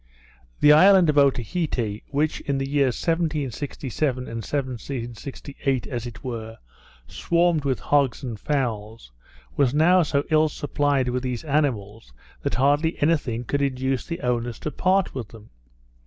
The island of Otaheite, which, in the years 1767 and 1768, as it were, swarmed with hogs and fowls, was now so ill supplied with these animals, that hardly any thing could induce the owners to part with them.